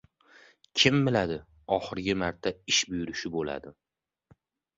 Kim biladi, oxirgi marta ish buyurishi bo‘ladi...